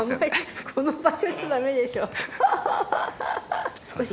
この場所じゃダメでしょ。